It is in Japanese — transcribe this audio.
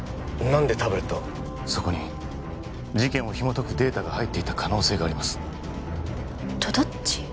何でタブレットをそこに事件をひもとくデータが入っていた可能性がありますとどっち？